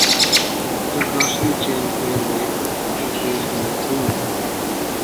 The grocery chain Fareway is based in Boone.